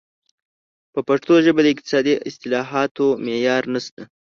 په پښتو ژبه د اقتصادي اصطلاحاتو معیار نشته.